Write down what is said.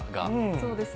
そうですね。